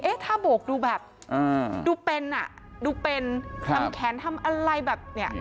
เอ๊ะท่าโบกดูแบบอืมดูเป็นอ่ะดูเป็นครับทำแขนทำอะไรแบบเนี้ย